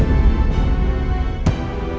pak pake tombol